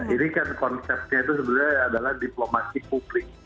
ini kan konsepnya itu sebenarnya adalah diplomasi publik